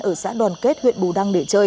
ở xã đoàn kết huyện bù đăng